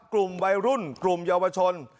กลุ่มวัยรุ่นกลุ่มเยาวชน